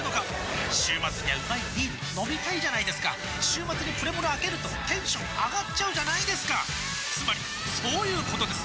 週末にはうまいビール飲みたいじゃないですか週末にプレモルあけるとテンション上がっちゃうじゃないですかつまりそういうことです！